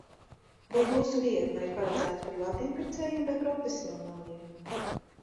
Vai jūsu vietne ir paredzēta privātiem pircējiem vai profesionāļiem?